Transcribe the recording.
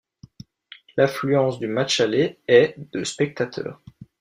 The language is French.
L'affluence du match aller est de spectateurs.